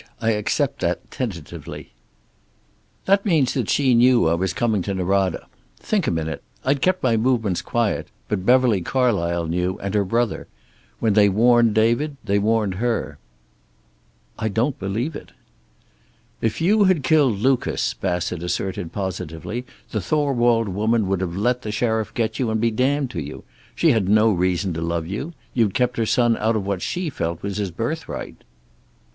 I accept that, tentatively." "That means that she knew I was coming to Norada. Think a minute; I'd kept my movements quiet, but Beverly Carlysle knew, and her brother. When they warned David they warned her." "I don't believe it." "If you had killed Lucas," Bassett asserted positively, "the Thorwald woman would have let the sheriff get you, and be damned to you. She had no reason to love you. You'd kept her son out of what she felt was his birthright."